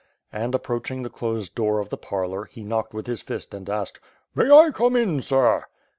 And approaching the closed door of the parlor, he knocked with his fist and asked: "May I come in, sir?"